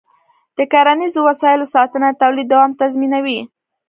د کرنيزو وسایلو ساتنه د تولید دوام تضمینوي.